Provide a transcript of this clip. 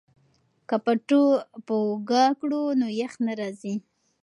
که پټو په اوږه کړو نو یخ نه راځي.